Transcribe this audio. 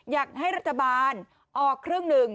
อยากให้รัฐบาลออกครึ่งหนึ่ง